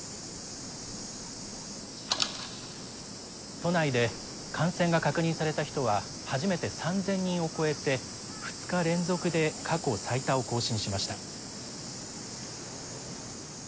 「都内で感染が確認された人は初めて３，０００人を超えて２日連続で過去最多を更新しました」。